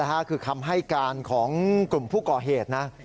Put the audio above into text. นี่แหละค่ะคือคำให้การของกลุ่มผู้ก่อเหตุนะ